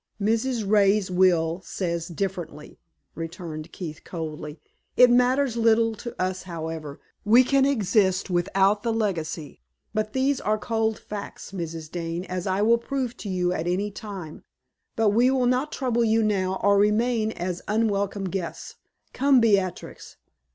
"Mrs. Ray's will says differently," returned Keith, coldly. "It matters little to us, however; we can exist without the legacy; but these are cold facts, Mrs. Dane, as I will prove to you at any time. But we will not trouble you now, or remain as unwelcome guests. Come Beatrix."